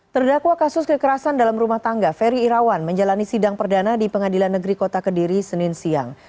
terdakwa kasus kekerasan dalam rumah tangga ferry irawan menjalani sidang perdana di pengadilan negeri kota kediri senin siang